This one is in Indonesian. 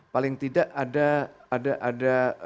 paling tidak ada